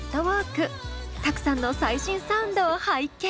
☆Ｔａｋｕさんの最新サウンドを拝見。